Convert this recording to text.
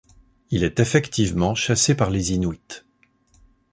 Il est effectivement chassé par les Inuits.